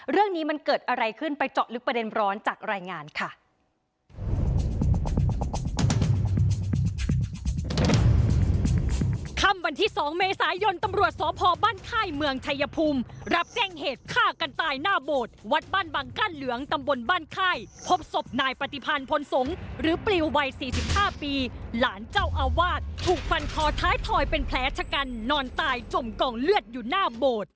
เรื่องนี้มันเกิดอะไรขึ้นไปเจาะลึกประเด็นร้อนจากรายงานค่ะ